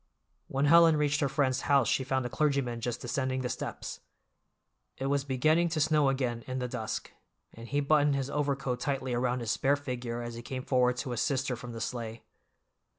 When Helen reached her friend's house she found the clergyman just descending the steps. It was beginning to snow again in the dusk, and he buttoned his overcoat tightly around his spare figure as he came forward to assist her from the sleigh.